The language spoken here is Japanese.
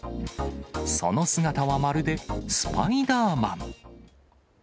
その姿はまるでスパイダーマン。